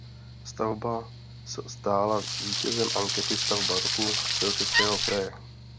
Stavba s stala vítězem ankety Stavba roku Středočeského kraje.